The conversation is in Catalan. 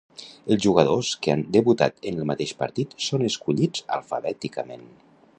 Els jugadors que han debutat en el mateix partit són escollits alfabèticament.